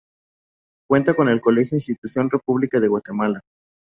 Cuenta con el Colegio Institución República de Guatemala.